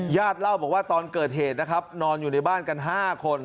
เล่าบอกว่าตอนเกิดเหตุนะครับนอนอยู่ในบ้านกัน๕คน